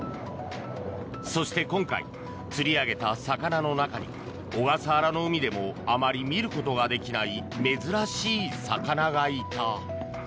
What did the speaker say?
そして今回、釣り上げた魚の中に小笠原の海でもあまり見ることができない珍しい魚がいた。